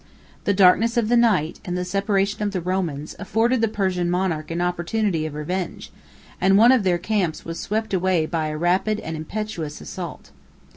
The darkness of the night, and the separation of the Romans, afforded the Persian monarch an opportunity of revenge; and one of their camps was swept away by a rapid and impetuous assault.